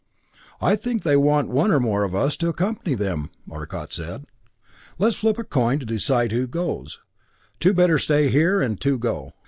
"I think they want one or more of us to accompany them," Arcot said. "Let's flip a coin to decide who goes two better stay here, and two go.